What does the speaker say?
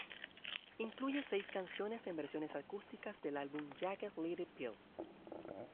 Incluye seis canciones en versiones acústicas del álbum "Jagged Little Pill.